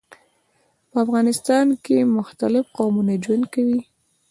په افغانستان کي مختلیف قومونه ژوند کوي.